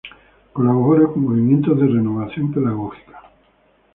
Colabora con movimientos de renovación pedagógica.